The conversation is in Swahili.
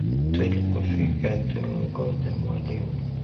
Twelipofika twenngoja mwalimu